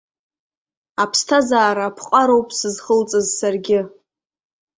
Аԥсҭазаара аԥҟароуп сызхылҵыз саргьы.